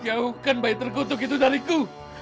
jauhkan bayi terkutuk itu dariku